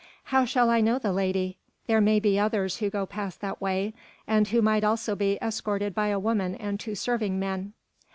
"How shall I know the lady? There may be others who go past that way, and who might also be escorted by a woman and two serving men."